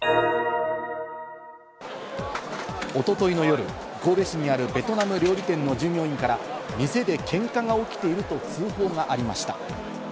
おとといの夜、神戸市にあるベトナム料理店の従業員から、店でけんかが起きていると通報がありました。